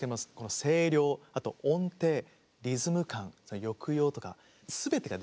声量あと音程リズム感抑揚とか全てができる。